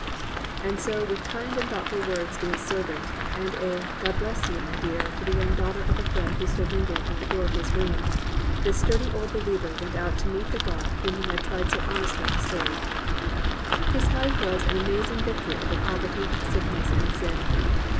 And so with kind and thoughtful words to his servant, and a "God bless you, my dear" to the young daughter of a friend who stood lingering at the door of his room, this sturdy old believer went out to meet the God whom he had tried so honestly to serve. His life was an amazing victory over poverty, sickness, and sin.